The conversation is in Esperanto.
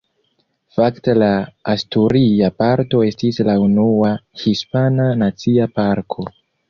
Fakte la asturia parto estis la unua hispana nacia parko.